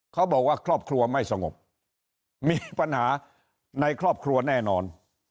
ครอบครัวไม่สงบมีปัญหาในครอบครัวแน่นอน